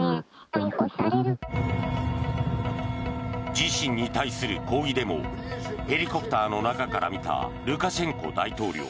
自身に対する抗議デモをヘリコプターの中から見たルカシェンコ大統領。